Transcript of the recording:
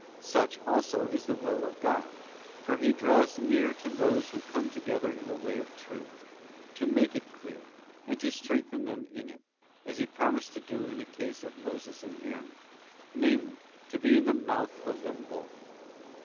Such, also, is the will of God, for He draws near to those who come together in the way of truth, to make it clear, and to strengthen them in it, as He promised to do in the case of Moses and Aaron—namely, to be in the mouth of them both.